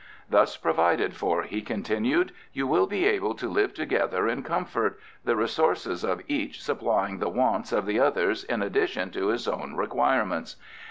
"Thus provided for," he continued, "you will be able to live together in comfort, the resources of each supplying the wants of the others in addition to his own requirements.